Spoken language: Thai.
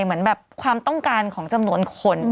เหมือนแบบความต้องการของจำนวนคน